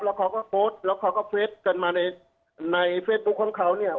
แล้วเขาก็โพสต์แล้วเขาก็เฟสกันมาในเฟซบุ๊คของเขาเนี่ย